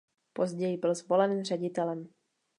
Později byl zvolen ředitelem.